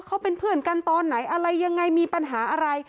เขาเป็นเพื่อนกันตอนไหนอะไรยังไงมีปัญหาอะไร